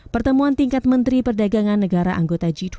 pertemuan tingkat menteri perdagangan negara anggota g dua puluh